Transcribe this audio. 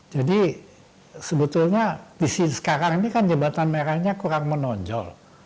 jadi sebetulnya di sini sekarang ini kan jembatan merahnya kurang menonjol